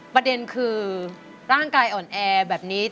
ประเด็นคือร่างกายอ่อนแอแบบนี้